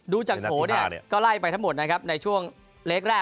ดูจากโถเนี่ยก็ไล่ไปทั้งหมดนะครับในช่วงเล็กแรก